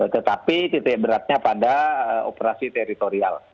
tetapi titik beratnya pada operasi teritorial